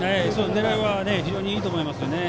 狙いは非常にいいと思います。